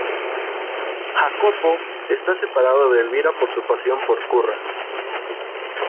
Jacopo está separado de Elvira por su pasión por Curra.